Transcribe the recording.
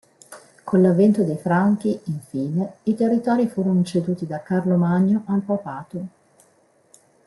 Con l'avvento dei Franchi, infine, i territori furono ceduti da Carlo Magno al Papato.